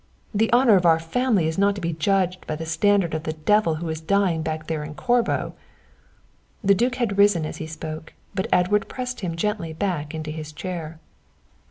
The honour of our family is not to be judged by the standard of the devil who is dying back there in Corbo." The duke had risen as he spoke, but Edward pressed him gently back into his chair.